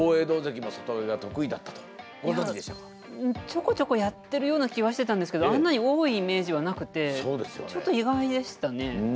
ちょこちょこやってるような気はしてたんですけどあんなに多いイメージはなくてちょっと意外でしたね。